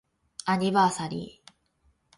アニバーサリー